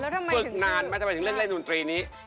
สุดนานไม่จำเป็นเรื่องเล่นดนตรีนี้